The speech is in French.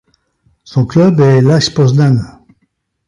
Son club est l'Azs Poznań.